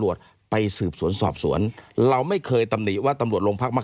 แล้วเขาไม่ต้องบอกข้อผลัวก็ได้นะ